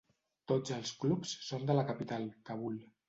Tots els clubs són de la capital, Kabul.